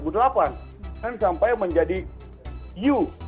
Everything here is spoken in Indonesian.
dan sampai menjadi u